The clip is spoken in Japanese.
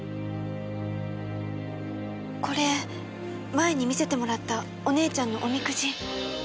これ前に見せてもらったお姉ちゃんのおみくじ。